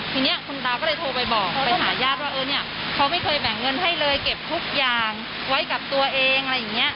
ทีนี้คุณตาก็เลยโทรไปบอกไปหาญาติว่าเออเนี่ยเขาไม่เคยแบ่งเงินให้เลยเก็บทุกอย่างไว้กับตัวเองอะไรอย่างนี้